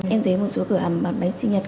em thấy một số cửa hàng bán máy sinh nhật